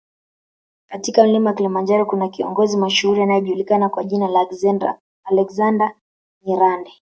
katika mlima Kilimanjaro kuna kiongozi mashuhuri anayejulikana kwa jina la Alexander Nyirande